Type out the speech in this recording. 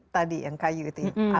tadi yang kayu itu